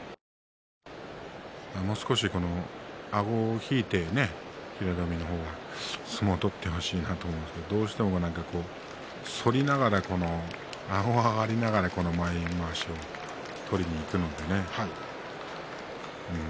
もう少し、あごを引いて平戸海の方は相撲を取ってほしいなと思いますけれどどうしても反りながらあごが上がりながら前まわしを取りにいくので。